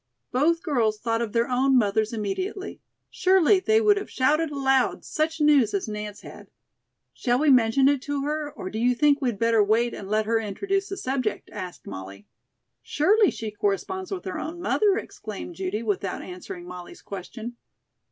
Both girls thought of their own mothers immediately. Surely they would have shouted aloud such news as Nance had. "Shall we mention it to her, or do you think we'd better wait and let her introduce the subject?" asked Molly. "Surely she corresponds with her own mother," exclaimed Judy without answering Molly's question.